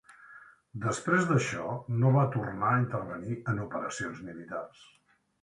Després d'això no va tornar a intervenir en operacions militars.